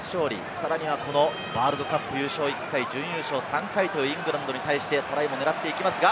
さらには、このワールドカップ優勝１回、準優勝３回というイングランドに対してトライを狙っていきますが。